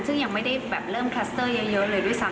ซึ่งยังไม่ได้แบบเริ่มคลัสเตอร์เยอะเลยด้วยซ้ำ